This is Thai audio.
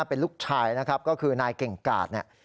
เป็นลูกชายนะครับก็คือนายเก่งกาดเนี่ย